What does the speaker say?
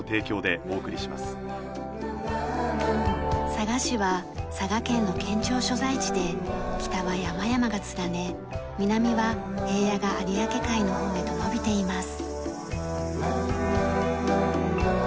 佐賀市は佐賀県の県庁所在地で北は山々が連ね南は平野が有明海の方へと延びています。